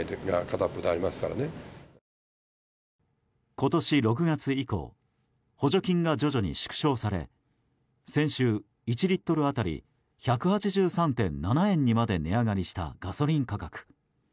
今年６月以降補助金が徐々に縮小され先週、１リットル当たり１８３．７円にまで値上がりしたガソリン価格。